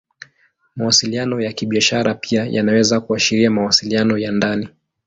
Mawasiliano ya Kibiashara pia yanaweza kuashiria mawasiliano ya ndani.